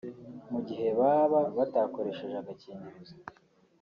mu gihe baba batakoresheje agakingirizo